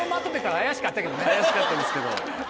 怪しかったですけど。